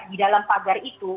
di dalam pagar itu